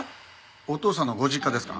お父さんのご実家ですか？